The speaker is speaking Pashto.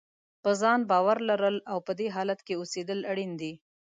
په ځان باور لرل او په دې حالت کې اوسېدل اړین دي.